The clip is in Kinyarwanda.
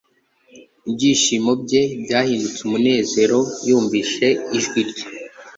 Ibyishimo bye byahindutse umunezero yumvise ijwi rye